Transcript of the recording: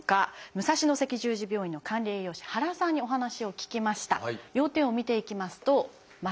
武蔵野赤十字病院の管理栄養士原さんにお話を聞きました。